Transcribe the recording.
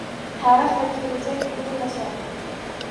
Tarix va kelajak uyg‘unlashadi